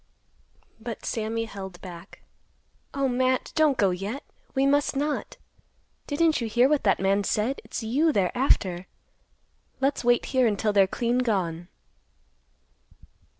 But Sammy held back. "Oh, Matt, don't go yet. We must not. Didn't you hear what that man said? It's you they're after. Let's wait here until they're clean gone."